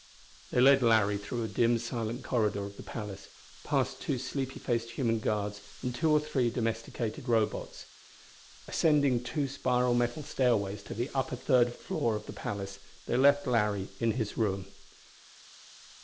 They led Larry through a dim silent corridor of the palace, past two sleepy faced human guards and two or three domesticated Robots. Ascending two spiral metal stairways to the upper third floor of the palace they left Larry in his room.